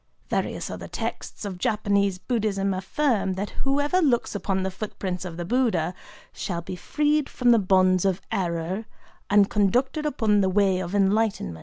Various other texts of Japanese Buddhism affirm that whoever looks upon the footprints of the Buddha "shall be freed from the bonds of error, and conducted upon the Way of Enlightenment."